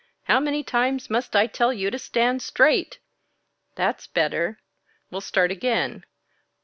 How many times must I tell you to stand straight? That's better! We'll start again.